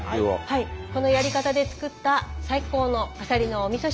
このやり方で作った最高のアサリのおみそ汁。